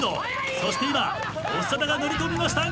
そして今長田が乗り込みました。